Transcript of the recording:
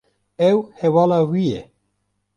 Ew hevala wî ye.